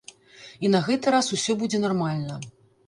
І на гэты раз усё будзе нармальна.